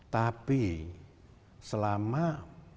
tapi selama turis kita